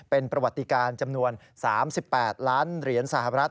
เป็นประวัติการจำนวน๓๘ล้านเหรียญสหรัฐ